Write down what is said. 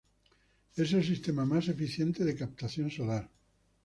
Es el sistema más eficiente de captación solar.